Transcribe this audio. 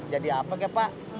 jadi apa pak